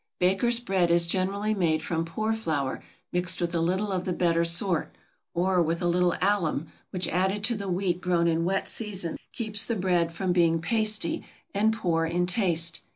Bakers' bread is generally made from poor flour mixed with a little of the better sort; or with a little alum, which added to the wheat grown in wet seasons, keeps the bread from being pasty and poor in taste.